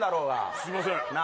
すみません。